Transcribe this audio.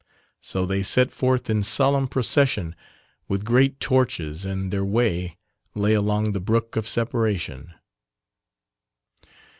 So they set forth in solemn procession with great torches, and their way lay along the brook of separation.